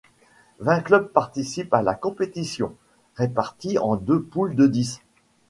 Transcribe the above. Vingt clubs participent à la compétition, répartis en deux poules de dix.